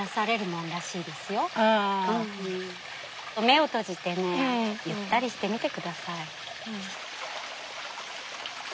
目を閉じてねゆったりしてみて下さい。